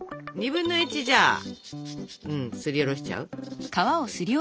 ２分の１じゃあすりおろしちゃう？